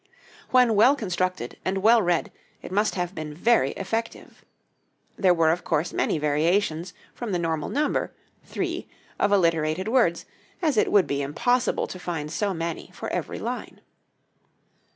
When well constructed and well read, it must have been very effective. There were of course many variations from the normal number, three, of alliterated words, as it would be impossible to find so many for every line.